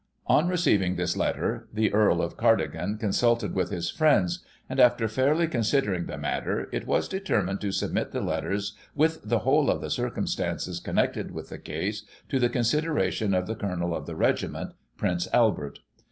On receiving this letter, the Earl of Cardigan consulted with his friends; and, after fairly considering the matter, it was determined to submit the letters with the whole of the circumstances connected with the case, to the consideration of the Colonel of the regiment, Prince Albert.